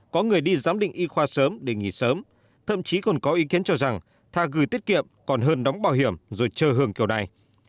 có người đi giám định y khoa sớm để nghỉ sớm thậm chí còn có ý kiến cho rằng tha gửi tiết kiệm còn hơn đóng bảo hiểm rồi chờ hưởng kiểu này